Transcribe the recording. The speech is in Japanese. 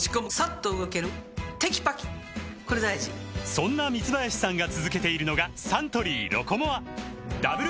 そんな三林さんが続けているのがサントリー「ロコモア」ダブル